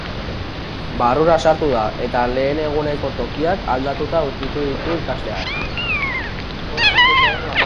Barrura sartu da, eta lehen eguneko tokiak aldatuta aurkitu ditu ikasleak.